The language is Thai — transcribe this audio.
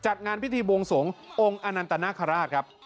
จัดงานพิธีวงศพองค์อันตนากฮราชครับ